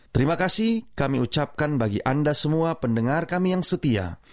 terima kasih kami ucapkan bagi anda semua pendengar kami yang setia